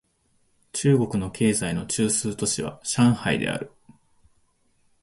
中国の経済の中枢都市は上海である